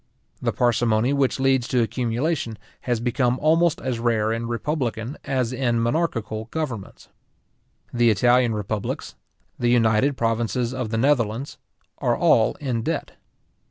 The parsimony which leads to accumulation has become almost as rare in republican as in monarchical governments. The Italian republics, the United Provinces of the Netherlands, are all in debt.